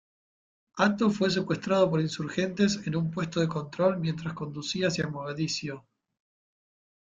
Atto fue secuestrado por insurgentes en un puesto de control mientras conducía hacia Mogadiscio.